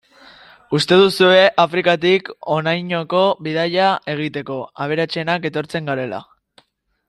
Uste duzue Afrikatik honainoko bidaia egiteko, aberatsenak etortzen garela.